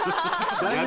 大丈夫。